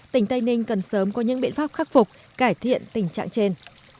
tỉnh tây ninh cần sớm có những biện pháp khắc phục cải thiện tình trạng trên